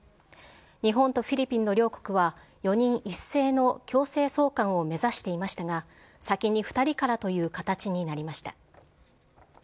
日本とフィリピンの両国は４人一斉の強制送還を目指していましたが、先に２人からという形になりました。